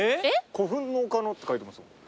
「古墳の丘の」って書いてますもん。